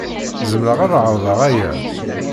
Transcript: Zemreɣ ad ɛerḍeɣ aya?